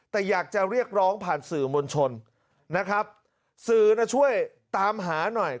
แต่อยากจะเรียกร้องผ่านสื่อมวลชนนะครับสื่อน่ะช่วยตามหาหน่อย